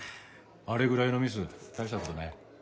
あれぐらいのミス大した事ない。